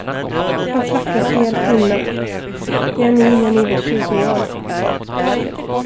Hans vackraste hjältinna, det är ni när ni var tjugo år.